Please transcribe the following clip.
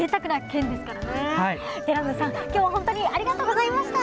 てらぬさん、今日は本当にありがとうございました。